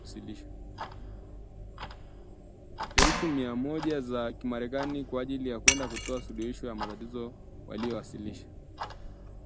elfu mia moja za kimarekani kwa ajili ya kwenda kutoa suluhisho ya matatizo waliyowasilisha